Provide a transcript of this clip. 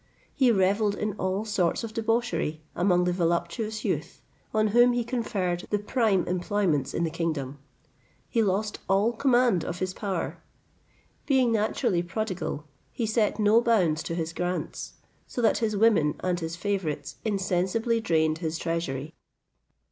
He revelled in all sorts of debauchery among the voluptuous youth, on whom he conferred the prime employments in the kingdom. He lost all command of his power. Being naturally prodigal, he set no bounds to his grants, so that his women and his favourites insensibly drained his treasury.